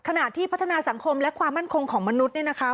ขณะที่พัฒนาสังคมและความมั่นคงของมนุษย์เนี่ยนะคะ